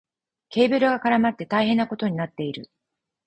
ケーブルが絡まって大変なことになっている。